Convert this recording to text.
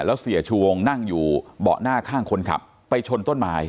แล้วเสียชูวงนั่งอยู่เบาะหน้าข้างคนขับไปชนต้นไม้